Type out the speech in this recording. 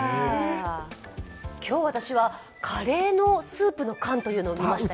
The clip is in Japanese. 今日、私はカレーのスープの缶というのを見ましたよ。